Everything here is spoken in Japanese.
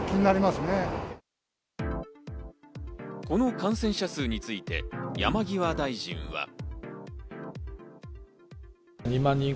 この感染者数について山際大臣は。